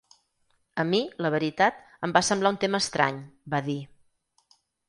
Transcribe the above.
A mi, la veritat, em va semblar un tema estrany, va dir.